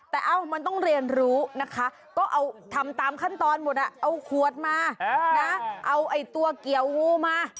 แต่เอ้ามันต้องเรียนรู้นะคะก็เอาทำตามขั้นตอนหมดเอาขวดมานะเอาไอ้ตัวเกี่ยวงูมา